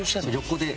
横で。